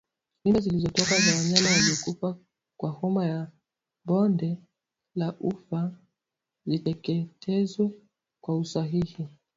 Mimba zilizotoka za wanyama waliokufa kwa homa ya bonde la ufa ziteketezwe kwa usahihi